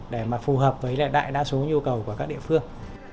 để phù hợp với đại đa số nhu cầu của các địa phương